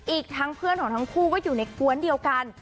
อีกทั้งเพื่อนของทั้งคู่ก็อยู่ในกวนเดียวกัน